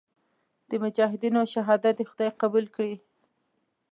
د مجاهدینو شهادت دې خدای قبول کړي.